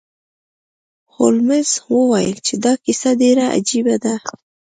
هولمز وویل چې دا کیسه ډیره عجیبه ده.